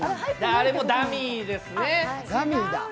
あれもダミーですね。